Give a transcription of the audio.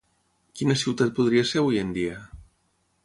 Quina ciutat podria ser avui en dia?